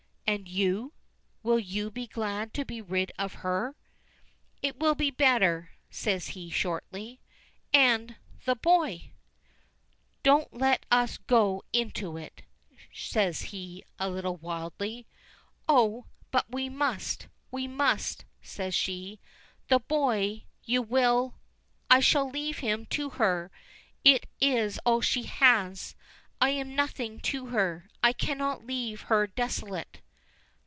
"And you will you be glad to be rid of her?" "It will be better," says he, shortly. "And the boy!" "Don't let us go into it," says he, a little wildly. "Oh! but we must we must," says she. "The boy you will ?" "I shall leave him to her. It is all she has. I am nothing to her. I cannot leave her desolate."